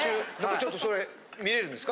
ちょっとそれ見れるんですか？